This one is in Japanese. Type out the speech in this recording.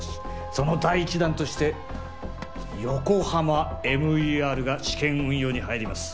その第一弾としてＹＯＫＯＨＡＭＡＭＥＲが試験運用に入ります